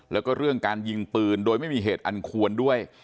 แล้วก็เรื่องการยิงปืนโดยไม่มีเหตุอันควรด้วย